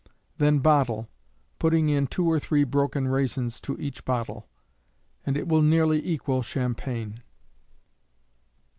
Then bottle, putting in 2 or 3 broken raisins to each bottle, and it will nearly equal Champagne.